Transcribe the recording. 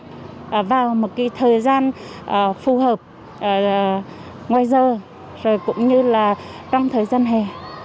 chúng tôi rất chú ý vào một thời gian phù hợp ngoài giờ cũng như là trong thời gian hè